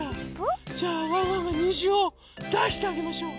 じゃあワンワンがにじをだしてあげましょう。